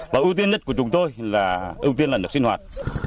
và ưu tiên nhất của chúng tôi là ưu tiên là nước sinh hoạt